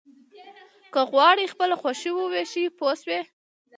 که غواړئ خپله خوشاله واوسئ پوه شوې!.